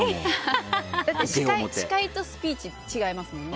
司会とスピーチ違いますもんね。